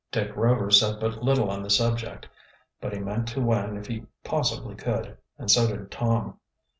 Dick Rover said but little on the subject, but he meant to win if he possibly could, and so did Tom.